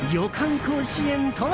甲子園とは？